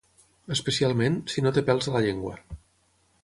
Especialment, si no té pèls a la llengua.